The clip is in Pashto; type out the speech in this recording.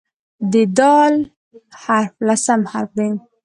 د "د" حرف لسم حرف دی.